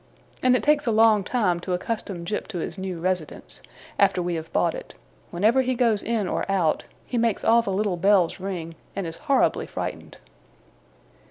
And it takes a long time to accustom Jip to his new residence, after we have bought it; whenever he goes in or out, he makes all the little bells ring, and is horribly frightened.